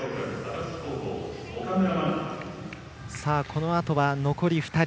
このあとは残り２人。